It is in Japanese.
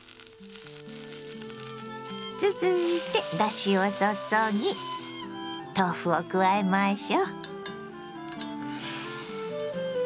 続いてだしを注ぎ豆腐を加えましょ。